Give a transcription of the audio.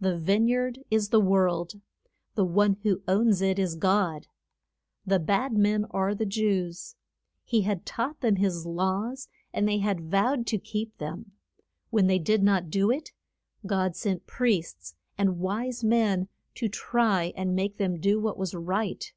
The vine yard is the world. The one who owns it is God. The bad men are the Jews; he had taught them his laws, and they had vowed to keep them. When they did not do it, God sent priests and wise men to try and make them do what was right.